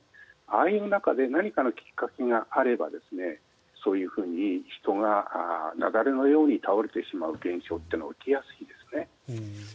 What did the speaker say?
ああいう中で何かのきっかけがあればそういうふうに人が雪崩のように倒れてしまう現象が起きやすいですね。